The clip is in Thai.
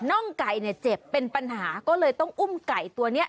่องไก่เนี่ยเจ็บเป็นปัญหาก็เลยต้องอุ้มไก่ตัวนี้